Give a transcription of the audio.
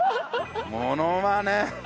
モノマネ？